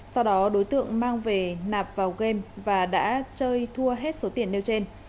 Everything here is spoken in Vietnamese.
sau đó đối tượng mang về nạp vào game và đã chơi thua hết số tiền nêu trên